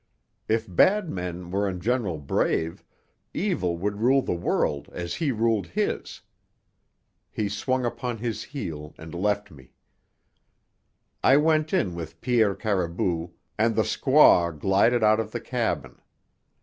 If bad men were in general brave, evil would rule the world as he ruled his. He swung upon his heel and left me. I went in with Pierre Caribou, and the squaw glided out of the cabin.